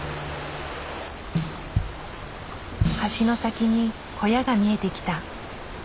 橋の先に小屋が見えてきた。